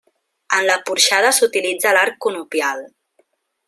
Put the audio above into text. En la porxada s'utilitza l'arc conopial.